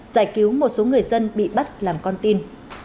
giải cứu một số người dân bị bắt làm con tin